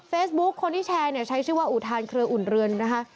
เฟซบุ๊กคนที่แชร์ใช้ชื่อว่าอุทานเครืออุ่นเรือนนะคะ